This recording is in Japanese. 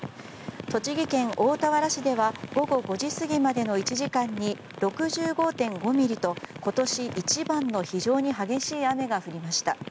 栃木県大田原市では午後５時過ぎまでの１時間に６５．５ミリと今年一番の非常に激しい雨が降りました。